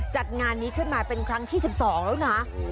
จัดงานนี้ขึ้นมาเป็นครั้งที่๑๒แล้วนะ